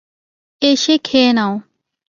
এসে খেয়ে নাও।